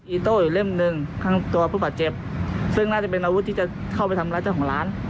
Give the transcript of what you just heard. โต้อยู่เล่มหนึ่งข้างตัวผู้บาดเจ็บซึ่งน่าจะเป็นอาวุธที่จะเข้าไปทำร้ายเจ้าของร้าน